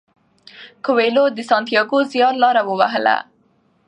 کویلیو د سانتیاګو زیارلاره ووهله.